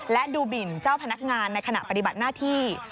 และดูหมินเจ้าพนักงานในขณะปฏิบัติหน้าที่